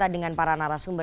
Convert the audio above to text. oke terima kasih